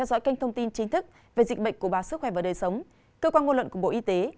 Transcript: cơ quan ngôn luận của bộ y tế